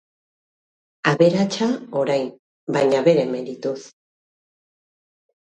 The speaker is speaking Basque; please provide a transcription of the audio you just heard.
Aberatsa, orain, baina bere merituz.